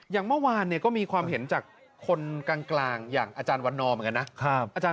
อย่างเมื่อวานก็มีความเห็นจากคนกลางอย่างศวันนอมครับ